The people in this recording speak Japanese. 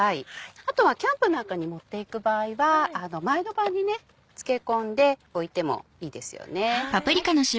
あとはキャンプなんかに持っていく場合は前の晩に漬け込んでおいてもいいですよね。